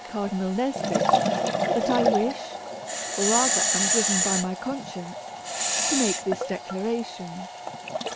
Cardinal Nesbit, that I wish (or rather, am driven by my conscience) to make this declaration.